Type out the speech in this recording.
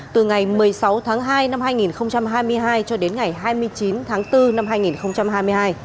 từ ngày một mươi sáu tháng hai năm hai nghìn hai mươi hai cho đến ngày hai mươi chín tháng bốn năm hai nghìn hai mươi hai